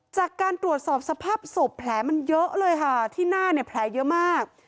จากการตรวจสอบสภาพศพแผลมันเยอะเลยค่ะที่หน้าเนี่ยแผลเยอะมาก